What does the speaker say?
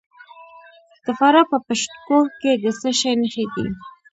د فراه په پشت کوه کې د څه شي نښې دي؟